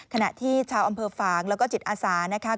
ขณะที่ชาวอำเภอฝางแล้วก็จิตอาสานะคะ